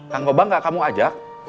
kang koba gak kamu ajak